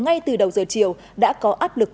ngay từ đầu giờ chiều đã có áp lực